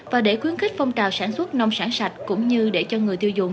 và để khuyến khích phong trào sản xuất nông sản sạch cũng như để cho người tiêu dùng